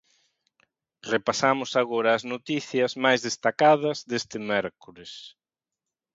Repasamos agora as noticias máis destacadas deste mércores.